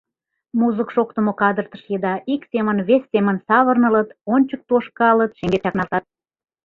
Музык шоктымо кадыртыш еда ик семын, вес семын савырнылыт, ончык тошкалыт, шеҥгек чакналтат.